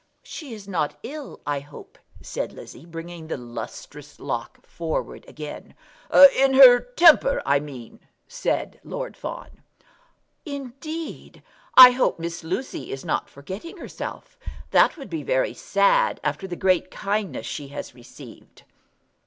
"She is not ill, I hope," said Lizzie, bringing the lustrous lock forward again. "In her temper, I mean," said Lord Fawn. "Indeed! I hope Miss Lucy is not forgetting herself. That would be very sad, after the great kindness she has received."